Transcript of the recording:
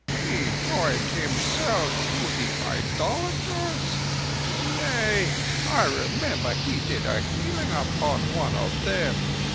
"He joined himself to the idolaters? Nay, I remember he did a healing upon one of them.